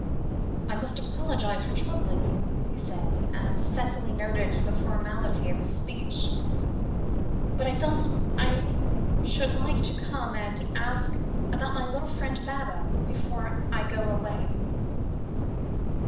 "I must apologise for troubling you," he said, and Cicely noted the formality of his speech, "but I felt I should like to come and ask about my little friend Baba, before I go away."